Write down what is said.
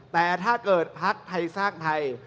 แต่ถ้าเกิดพักไทยสร้างไทย